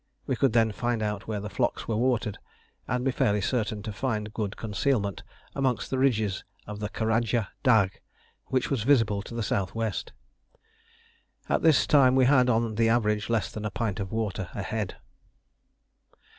We could then find out where the flocks were watered, and be fairly certain to find good concealment amongst the ridges of the Karadja Dagh, which was visible to the S.W. At this time we had, on the average, less than a pint of water a head.